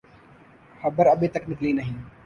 خبر ابھی تک نکلی نہیں۔